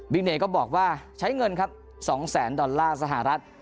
บิ๊กเนยก็บอกว่าใช้เงินครับ๒๐๐๐๐๐ดอลลาร์สหรัฐ